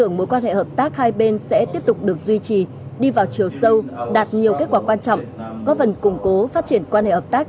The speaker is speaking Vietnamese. góp phần củng cố phát triển quan hệ hợp tác